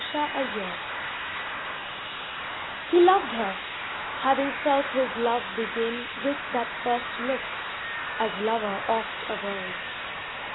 THE CONTRAST He loved her; having felt his love begin With that first look, as lover oft avers.